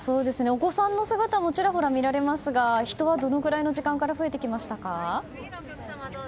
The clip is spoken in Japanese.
お子さんの姿もちらほらと見られますが人はどのくらいの時間から増えてきましたか？